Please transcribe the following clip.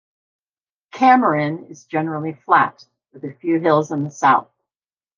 Kamaran is generally flat, with a few hills in the south.